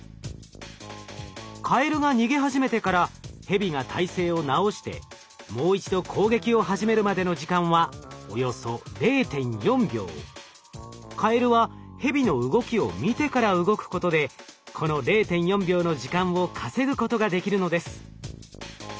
カエルが逃げ始めてからヘビが体勢を直してもう一度攻撃を始めるまでの時間はおよそカエルはヘビの動きを見てから動くことでこの０．４秒の時間を稼ぐことができるのです。